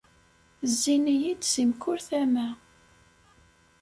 Zzin-iyi-d si mkul tama.